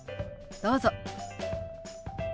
どうぞ。